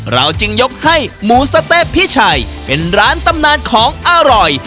เราจึงยกให้หมูสะเต๊ะพี่ชัยเป็นร้านตำนานของอร่อย